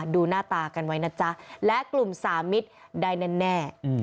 ดูหน้าตากันไว้นะจ๊ะและกลุ่มสามิตรได้แน่